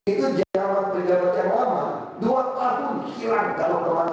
ini bisa bermasalah juga ke depan